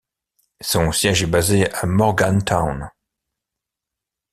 Son siège est basé à Morgantown.